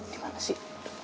di mana sih